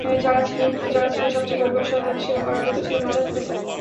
যাঁরা ছিলেন সবচেয়ে গরিব, অসহায়, তাদের সেবা করার ব্রত ছিল মাদার তেরেসার।